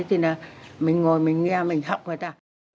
thì là mình ngồi mình nghe mình học người ta